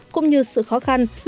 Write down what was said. cũng như sự khó khăn